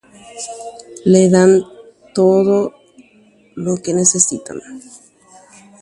ome'ẽ chupekuéra opaite hemikotevẽ